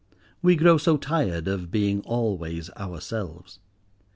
We grow so tired of being always ourselves.